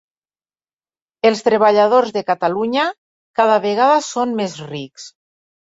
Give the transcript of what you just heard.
Els treballadors de Catalunya cada vegada són més rics